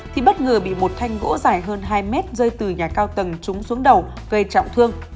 thì bất ngờ bị một thanh gỗ dài hơn hai mét rơi từ nhà cao tầng trúng xuống đầu gây trọng thương